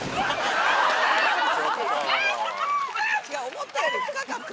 思ったより深かった。